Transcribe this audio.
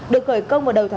được khởi công vào đầu tư